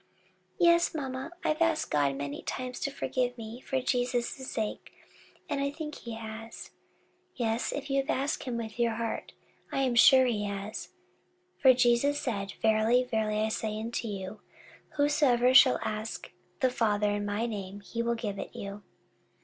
"Yes, mamma, I've asked God many times to forgive me for Jesus's sake, and I think he has." "Yes, if you asked with your heart, I am sure he has; for Jesus said, 'Verily, verily, I say unto you, Whatsoever ye shall ask the Father in my name, he will give it you.'"